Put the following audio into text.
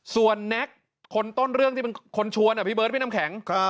ส่วนแน็กคนต้นเรื่องที่เป็นคนชวนพี่เบิร์ดพี่น้ำแข็ง